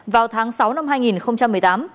vào tháng sáu năm hai nghìn một mươi tám